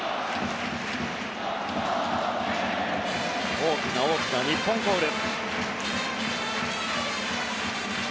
大きな大きな日本コール。